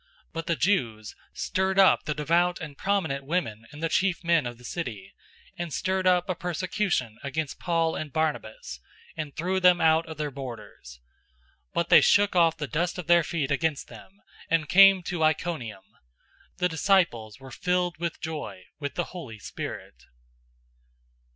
013:050 But the Jews stirred up the devout and prominent women and the chief men of the city, and stirred up a persecution against Paul and Barnabas, and threw them out of their borders. 013:051 But they shook off the dust of their feet against them, and came to Iconium. 013:052 The disciples were filled with joy with the Holy Spirit.